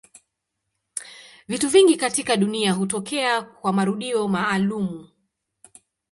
Vitu vingi katika dunia hutokea kwa marudio maalumu.